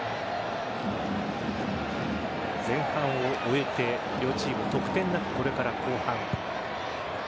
前半を終えて、両チーム得点なくこれから後半。